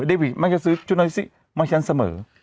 เดวิตมักจะซื้อชุดนอนเซ็กซี่มาให้ฉันเสมอ